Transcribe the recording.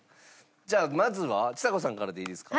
じゃあまずはちさ子さんからでいいですか？